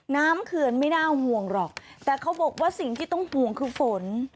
เขื่อนไม่น่าห่วงหรอกแต่เขาบอกว่าสิ่งที่ต้องห่วงคือฝน